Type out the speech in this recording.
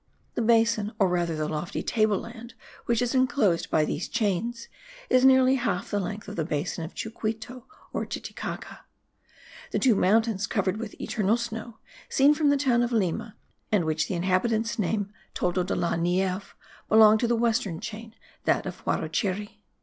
The basin, or rather the lofty table land which is inclosed by these chains, is nearly half the length of the basin of Chucuito or Titicaca. Two mountains covered with eternal snow, seen from the town of Lima, and which the inhabitants name Toldo de la Nieve, belong to the western chain, that of Huarocheri.